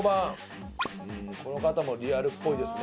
うーんこの方もリアルっぽいですね。